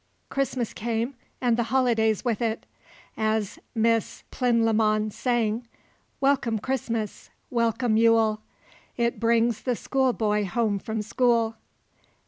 Christmas came, and the holidays with it. As Miss Plinlimmon sang "Welcome, Christmas! Welcome, Yule! It brings the schoolboy home from school.